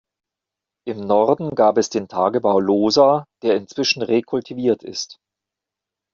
Im Norden gab es den Tagebau Lohsa, der inzwischen rekultiviert ist.